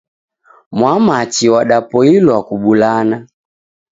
Mwamachi wadapoilwa kubulana.